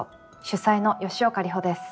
主宰の吉岡里帆です。